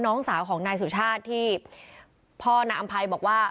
น้องสาวของนายสุชาติที่พ่อนายอำภัยบอกว่า